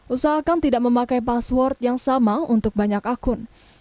usahakan tidak memakai password yang sama untuk banyak akun